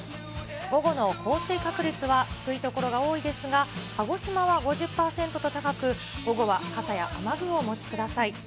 午後の降水確率は低い所が多いですが、鹿児島は５０％と高く、午後は傘や雨具をお持ちください。